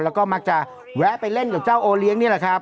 แล้วก็มักจะแวะไปเล่นกับเจ้าโอเลี้ยงนี่แหละครับ